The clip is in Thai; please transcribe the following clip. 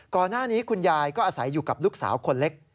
ก่อนหน้านี้คุณยายก็อาศัยอยู่กับลูกสาวคนเล็ก